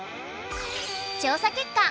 調査結果！